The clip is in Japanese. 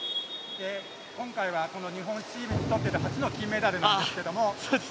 今回はこの日本チームにとって初の金メダルなんですけれども。